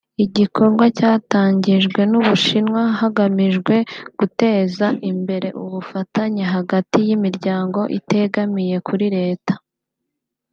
igikorwa cyatangijwe n’u Bushinwa hagamijwe guteza imbere ubufatanye hagati y’imiryango itegamiye kuri leta